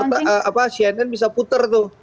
mungkin mekarta apa cnn bisa puter tuh